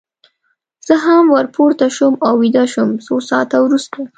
زه هم ور پورته شوم او ویده شوم، څو ساعته وروسته.